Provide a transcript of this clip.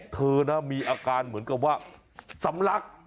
เธอนะมีอาการเหมือนกับว่าสำลัก